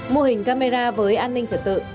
mô hình camera với an ninh trật tự